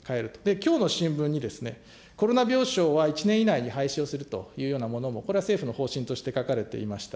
きょうの新聞にコロナ病床は１年以内に廃止をするというようなものも、これは政府の方針として書かれていました。